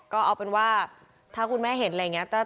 ก็เอาเป็นว่าถ้าคุณแม่เห็นอะไรอย่างนี้